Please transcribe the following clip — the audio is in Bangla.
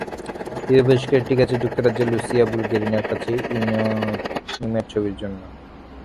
তৃতীয় পুরস্কারটি গেছে যুক্তরাজ্যের লুসিয়া বুলগেরনির কাছে, ইনানিমেট ছবির জন্য।